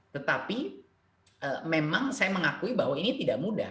tetapi memang saya mengakui bahwa ini tidak mudah